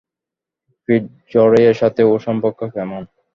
ফিটজরয়ের সাথে ওর সম্পর্ক কেমন?